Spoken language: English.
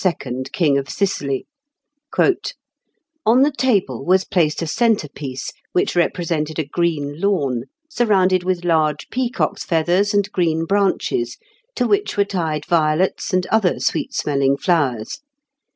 King of Sicily: "On the table was placed a centre piece, which represented a green lawn, surrounded with large peacocks' feathers and green branches, to which were tied violets and other sweet smelling flowers.